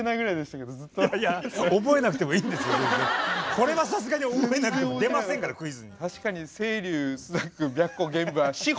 これはさすがに覚えなくても出ませんからクイズに。